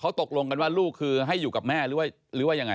ตกลงกันว่าลูกคือให้อยู่กับแม่หรือว่ายังไง